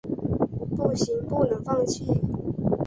不行，不能放弃